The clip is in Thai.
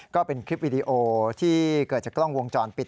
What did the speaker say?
ก็เป็นคลิปวิดีโอที่เกิดจากกล้องวงจรปิด